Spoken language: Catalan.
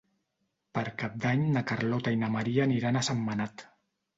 Per Cap d'Any na Carlota i na Maria aniran a Sentmenat.